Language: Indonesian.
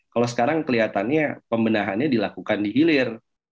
kalau sekarang kelihatannya pembenahannya dilakukan di hilir